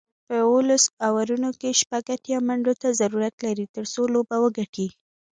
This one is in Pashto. په اوولس اورونو کې شپږ اتیا منډو ته ضرورت لري، ترڅو لوبه وګټي